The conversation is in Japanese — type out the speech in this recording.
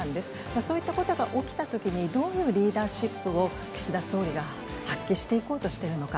そういったことが起きたときに、どういうリーダーシップを、岸田総理が発揮していこうとしているのか。